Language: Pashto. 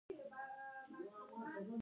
اتم بست تر ټولو ټیټ دی